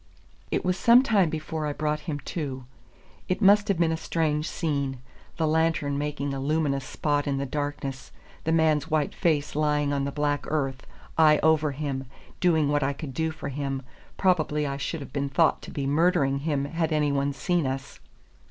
It was some time before I brought him to. It must have been a strange scene: the lantern making a luminous spot in the darkness, the man's white face lying on the black earth, I over him, doing what I could for him, probably I should have been thought to be murdering him had any one seen us.